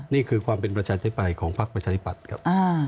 นี่คือความเป็นประชาชนิพัฒน์ของภัครุนเกษตริปัตย์ครับ